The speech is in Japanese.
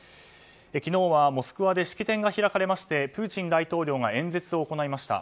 昨日はモスクワで式典が開かれましてプーチン大統領が演説を行いました。